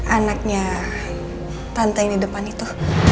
anaknya tante yang di depan itu